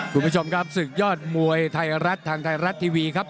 คุณผู้ชมครับศึกยอดมวยไทยรัฐทางไทยรัฐทีวีครับ